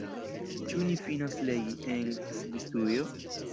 Ĉu ni finos legi „En Svisujo“?